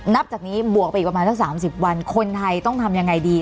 นับจากนี้บวกไปอีกประมาณสัก๓๐วันคนไทยต้องทำยังไงดี